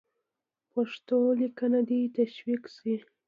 پښتو لیکنه دې تشویق سي.